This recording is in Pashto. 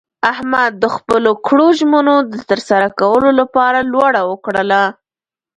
احمد د خپلو کړو ژمنو د ترسره کولو لپاره لوړه وکړله.